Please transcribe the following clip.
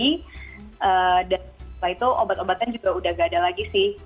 setelah itu obat obatan juga udah gak ada lagi sih